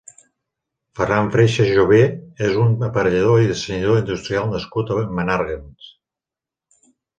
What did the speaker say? Ferran Freixa Jové és un aparellador i dissenyador industrial nascut a Menàrguens.